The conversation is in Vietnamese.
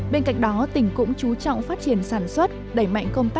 bên cạnh đó tỉnh cũng chú trọng phát triển sản xuất